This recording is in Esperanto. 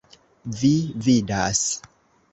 Vi vidas!